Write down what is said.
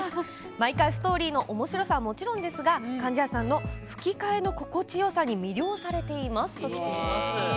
毎回ストーリーのおもしろさはもちろんですが貫地谷さんの吹き替えの心地よさに魅了されていますときています。